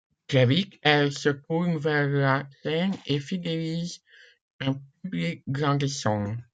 Très vite, elle se tourne vers la scène et fidélise un public grandissant.